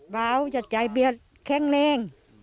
เบาจะใจเบียดแข็งแรง